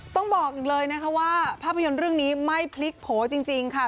ต้องบอกอีกเลยนะคะว่าภาพยนตร์เรื่องนี้ไม่พลิกโผล่จริงค่ะ